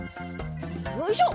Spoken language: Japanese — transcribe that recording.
よいしょ！